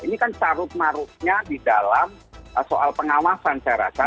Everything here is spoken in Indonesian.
ini kan carut marutnya di dalam soal pengawasan saya rasa